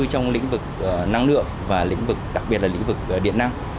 trong lĩnh vực năng lượng và đặc biệt là lĩnh vực điện năng